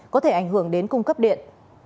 có thể ảnh hưởng đến cung cấp điện